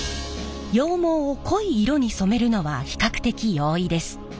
羊毛を濃い色に染めるのは比較的容易です。